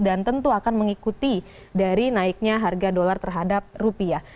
dan tentu akan mengikuti dari naiknya harga dolar terhadap rupiah